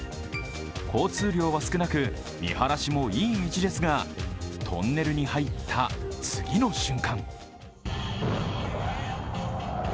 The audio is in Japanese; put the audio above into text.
交通量は少なく見晴らしもいい道ですがトンネルに入った次の瞬間。